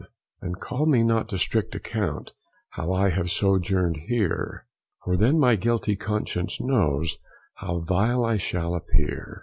And call me not to strict account, How I have sojourn'd here; For then my guilty conscience knows How vile I shall appear.